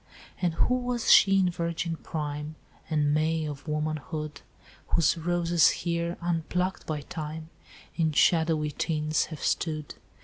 "'And who was she in virgin prime And May of womanhood, Whose roses here, unplucked by time, In shadowy tints have stood?